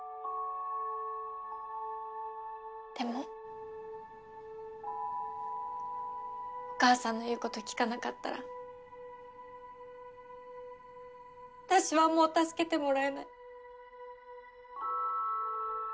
でもお母さんの言うこと聞かなかったら私はもう助けてもらえない。